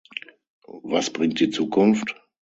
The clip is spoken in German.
Was bringt die Zukunft?